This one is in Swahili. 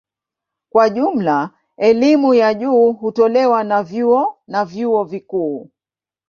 Kwa jumla elimu ya juu hutolewa na vyuo na vyuo vikuu.